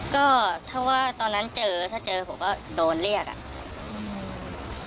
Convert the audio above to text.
ก็ถ้าว่าตอนนั้นเจอถ้าเจอผมก็โดนเรียกอ่ะ